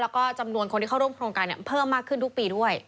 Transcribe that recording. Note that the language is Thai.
แล้วก็จำนวนคนที่เข้าร่วมโครงการเพิ่มมากขึ้นทุกปีด้วย